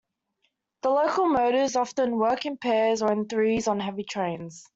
The locomotives often work in pairs or in threes on heavy trains.